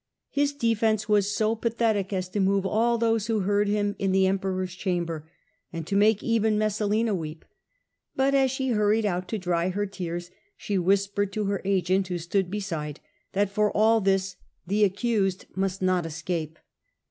His defence was so pathetic as to move all those who heard him in the Emperor^s chamber, and to make even Messalina weep. But as she hurried out to dry her tears she whispered to her agent, who stood beside, that for all this the accused must not escape.